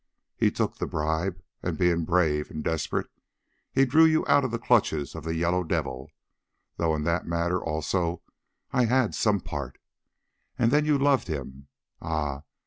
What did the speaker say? He took the bribe, and being brave and desperate, he drew you out of the clutches of the Yellow Devil, though in that matter also I had some part; and then you loved him. Ah!